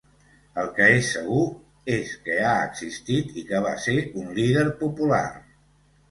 El que és segur és que ha existit i que va ser un líder popular.